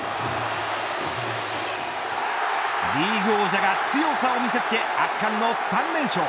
リーグ王者が強さを見せつけ圧巻の３連勝。